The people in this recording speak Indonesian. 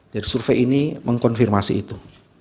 jadi survei ini mengkonfirmasi itu